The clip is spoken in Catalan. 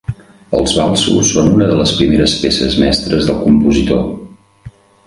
Els valsos són una de les primeres peces mestres del compositor.